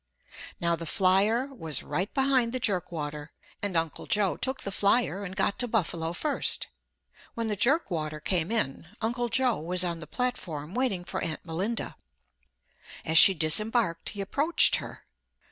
Now the Flyer was right behind the Jerkwater, and Uncle Joe took the Flyer and got to Buffalo first. When the Jerkwater came in, Uncle Joe was on the platform waiting for Aunt Melinda. As she disembarked he approached her.